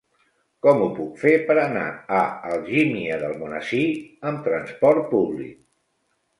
Com ho puc fer per anar a Algímia d'Almonesir amb transport públic?